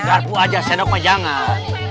garpu aja sendok mah jangan